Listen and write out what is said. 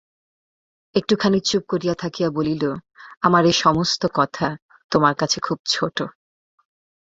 একটুখানি চুপ করিয়া থাকিয়া বলিল, আমার এ-সমস্ত কথা তোমার কাছে খুব ছোটো।